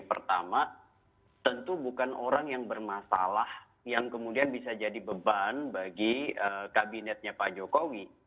pertama tentu bukan orang yang bermasalah yang kemudian bisa jadi beban bagi kabinetnya pak jokowi